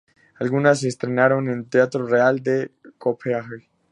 Algunas se estrenaron en el Teatro Real de Copenhague.